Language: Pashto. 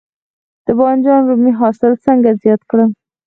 د بانجان رومي حاصل څنګه زیات کړم؟